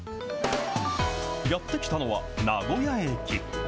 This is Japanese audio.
やって来たのは名古屋駅。